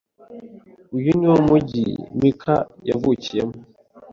Uyu niwo mujyi Mika yavukiyemo?